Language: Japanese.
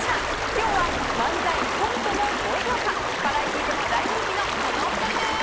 今日は、漫才、コントも好評価バラエティーでも大人気のこのお二人です。